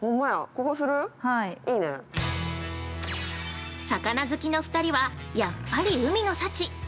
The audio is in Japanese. ◆魚好きの２人はやっぱり海の幸。